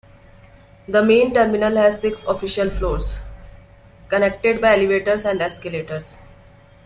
The main terminal has six official floors, connected by elevators and escalators.